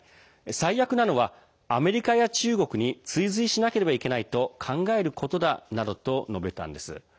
最悪なのは、アメリカや中国に追随しなければいけないと考えることだなどと述べたんです。